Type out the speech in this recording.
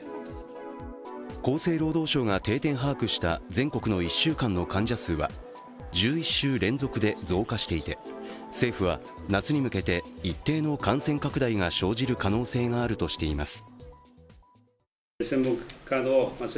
厚生労働省が定点把握した全国の１週間の患者数は１１週連続で増加していて、政府は、夏に向けて一定の感染拡大が生じる可能性があるとしています。